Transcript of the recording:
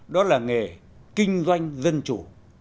đó là nghề kinh doanh dân chủ